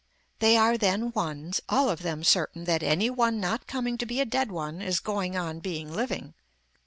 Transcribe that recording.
They are then ones, all of them certain that any one not coming to be a dead one is going on being living.